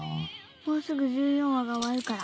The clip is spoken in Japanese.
もうすぐ１４話が終わるから。